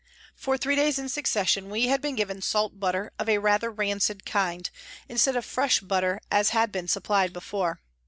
For three days in succession we had been given salt butter of a rather rancid kind, instead of fresh butter as had been supplied before.